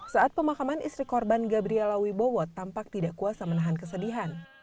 saat pemakaman istri korban gabriela wibowo tampak tidak kuasa menahan kesedihan